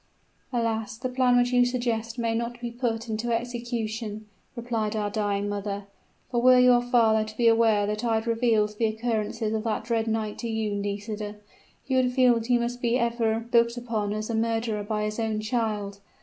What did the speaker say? "'Alas! the plan which you suggest may not be put into execution,' replied our dying mother; 'for were your father to be aware that I had revealed the occurrences of that dread night to you, Nisida, he would feel that he must be ever looked upon as a murderer by his own child!